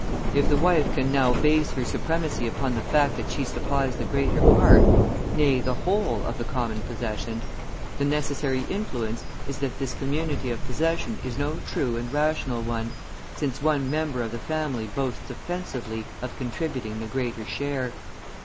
If the wife can now base her supremacy upon the fact that she supplies the greater part, nay, the whole of the common possession, the necessary inference is that this community of possession is no true and rational one, since one member of the family boasts offensively of contributing the greater share.